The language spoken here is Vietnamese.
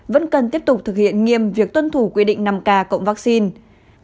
vẫn cần tiếp tục thực hiện nghiêm việc tuân thủ quy định năm k cộng vaccine